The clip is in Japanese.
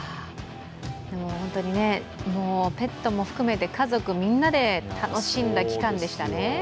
でもホントにペットも含めて家族みんなで楽しんだ期間でしたね。